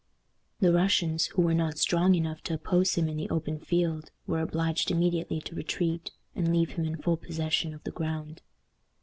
The Russians, who were not strong enough to oppose him in the open field, were obliged immediately to retreat, and leave him in full possession of the ground.